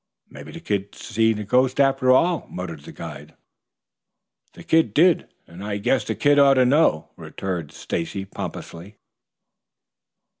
"Mebby the kid did see a ghost after all," muttered the guide. "The kid did. And I guess the kid ought to know," returned Stacy pompously.